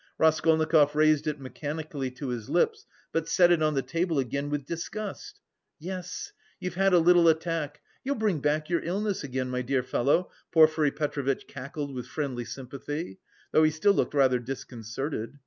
Raskolnikov raised it mechanically to his lips, but set it on the table again with disgust. "Yes, you've had a little attack! You'll bring back your illness again, my dear fellow," Porfiry Petrovitch cackled with friendly sympathy, though he still looked rather disconcerted.